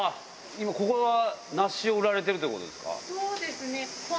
今ここは、梨を売られてるとそうですね。